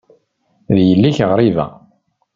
D yelli-k ɣriba.